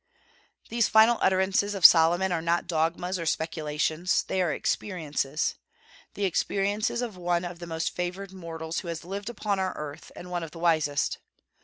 These final utterances of Solomon are not dogmas nor speculations, they are experiences, the experiences of one of the most favored mortals who has lived upon our earth, and one of the wisest.